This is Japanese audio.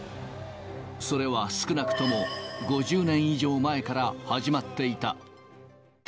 それは少なくとも５０年以上前から始まっていた。